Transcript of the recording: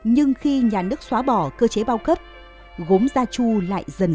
nhưng khi nhà nước xóa bỏ cơ chế bao cấp gốm gia chu lại diễn ra